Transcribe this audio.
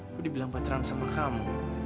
aku dibilang bateran sama kamu